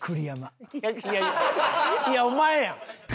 いやお前やん！